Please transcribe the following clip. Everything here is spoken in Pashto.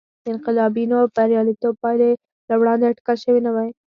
د انقلابینو بریالیتوب پایلې له وړاندې اټکل شوې نه وې.